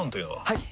はい！